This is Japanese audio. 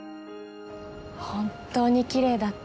本当にきれいだった。